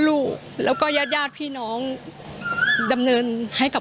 ลูกชายวัย๑๘ขวบบวชหน้าไฟให้กับพุ่งชนจนเสียชีวิตแล้วนะครับ